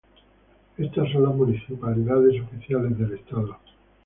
Estas son las municipalidades oficiales del estado.